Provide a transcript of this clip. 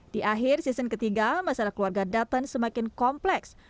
di akhir season ketiga masalah keluarga dutton semakin kompleks